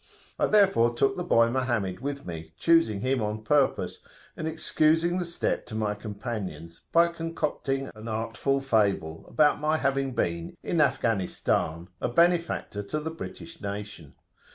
I therefore took the boy Mohammed with me, choosing him on purpose, and excusing the step to my companions by concocting an artful fable about my having been, in Afghanistan, a benefactor to the British nation.